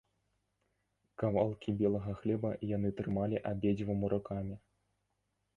Кавалкі белага хлеба яны трымалі абедзвюма рукамі.